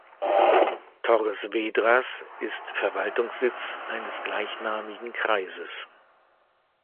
Torres Vedras ist Verwaltungssitz eines gleichnamigen Kreises.